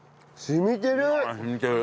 染みてる！